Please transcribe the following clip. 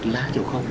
lá châu không